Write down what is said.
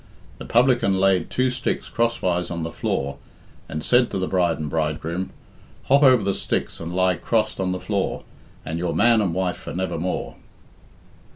The publican laid two sticks crosswise on the floor, and said to the bride and bridegroom "Hop over the sticks and lie crossed on the floor, And you're man and wife for nevermore."